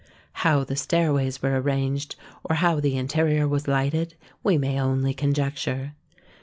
How the stairways were arranged, or how the interior was lighted, we may only conjecture.